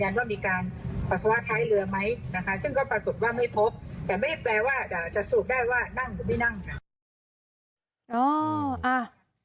แต่แปลว่าจะสูบได้ว่านั่งหรือไม่นั่ง